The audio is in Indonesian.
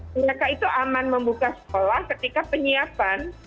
mereka itu aman membuka sekolah ketika penyiapan